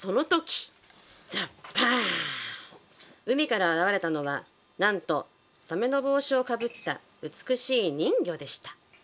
海から現れたのはなんとサメの帽子をかぶった美しい人魚でした。